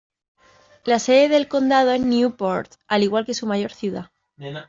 La sede del condado es Newport, al igual que su mayor ciudad.